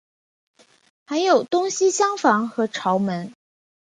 还有东西厢房和朝门。